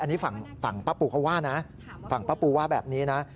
อันนี้ฝั่งป้าปูเขาว่านะฝั่งป้าปูว่าแบบนี้นะ